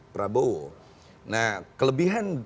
prabowo nah kelebihan